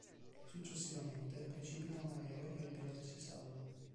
Successivamente precipita un aereo e il pilota si salva.